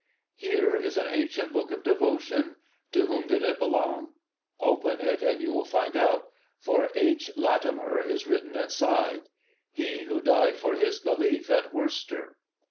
Here is an ancient book of devotion. To whom did it belong? Open it and you will find out, for 'H. Latimer' is written inside he who died for his belief at Worcester.